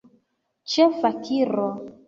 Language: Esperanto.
Ĉe fakiro.